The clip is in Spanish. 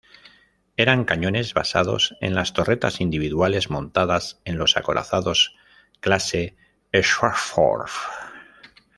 Eran cañones basados en las torretas individuales montadas en los acorazados clase "Scharnhorst".